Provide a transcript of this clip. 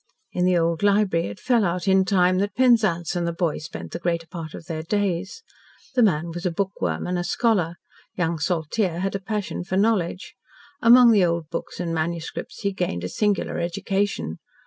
In the old library it fell out in time that Penzance and the boy spent the greater part of their days. The man was a bookworm and a scholar, young Saltyre had a passion for knowledge. Among the old books and manuscripts he gained a singular education.